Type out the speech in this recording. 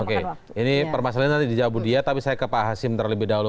oke ini permasalahan nanti dijawabin dia tapi saya ke pak hasim terlebih dahulu